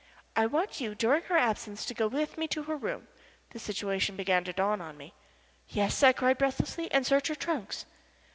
"I want you during her absence to go with me to her room " The situation began to dawn on me. "Yes!" I cried, breathlessly. "And search her trunks?"